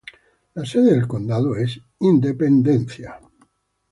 La sede del condado es Independence.